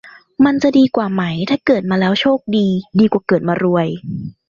มันจะดีกว่าไหมถ้าเกิดมาแล้วโชคดี ดีกว่าเกิดมารวย